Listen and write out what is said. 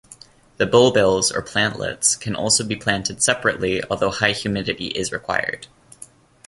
The bulbils or plantlets can also be planted separately although high humidity is required.